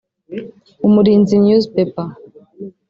Umurinzi newspaper